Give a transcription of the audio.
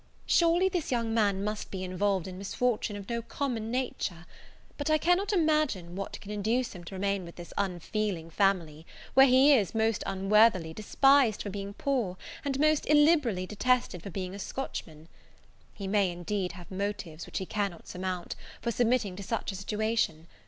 Surely this young man must be involved in misfortunes of no common nature but I cannot imagine what can induce him to remain with this unfeeling family, where he is, most unworthily, despised for being poor, and most illiberally detested for being a Scotchman. He may, indeed, have motives, which he cannot surmount, for submitting to such a situation.